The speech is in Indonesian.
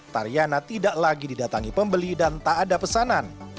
tariana tidak lagi didatangi pembeli dan tak ada pesanan